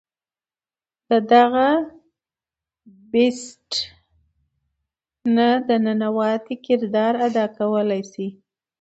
د دغه “Beast” نه د ننواتې کردار ادا کولے شي